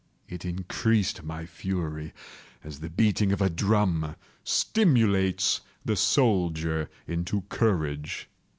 It increased my fury, as the beating of a drum stimulates the soldier into courage.